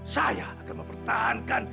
saya akan mempertahankan